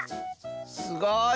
すごい！